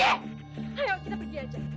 ayo kita pergi aja